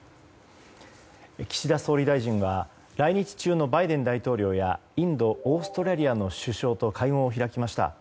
岸田総理大臣は来日中のバイデン大統領やインド、オーストラリアの首相と会合を開きました。